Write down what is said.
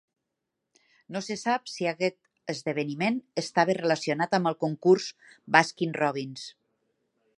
No se sap si aquest esdeveniment estava relacionat amb el concurs Baskin-Robbins.